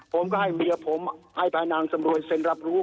ผมก็ให้เมียผมให้พานางสำรวยเซ็นรับรู้